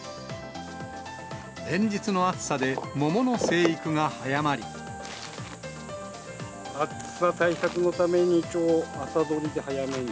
連日の暑さで、暑さ対策のために一応、朝取りで早めに。